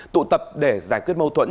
tụ tập để giải quyết mâu thuẫn